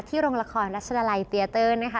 โรงละครรัชดาลัยเตียเตอร์นะคะ